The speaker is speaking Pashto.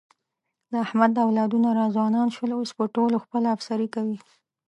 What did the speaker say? د احمد اولادونه را ځوانان شول، اوس په ټولو خپله افسري کوي.